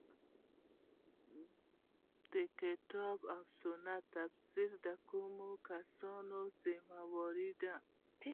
د کتاب او سنت تفسیر د کومو کسانو ذمه واري ده.